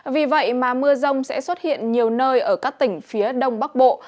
vì vậy mà mưa rông sẽ xuất hiện nhiều nơi ở các tỉnh phía đông bắc bộ